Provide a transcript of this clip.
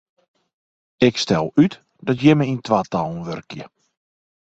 Ik stel út dat jimme yn twatallen wurkje.